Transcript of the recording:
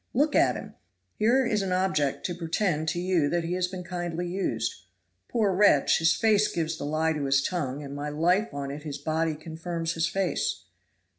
Look at him! here is an object to pretend to you that he has been kindly used. Poor wretch, his face gives the lie to his tongue, and my life on it his body confirms his face.